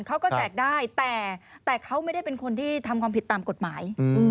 แจกได้แต่เขาไม่ได้เป็นคนที่ทำความผิดตามกฎหมาย